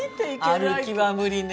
歩きは無理ね。